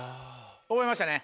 覚えましたね？